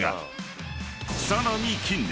［さらに近年］